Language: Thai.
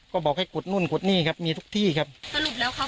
ก็บอกให้ขุดนู่นขุดนี่ครับมีทุกที่ครับสรุปแล้วเขา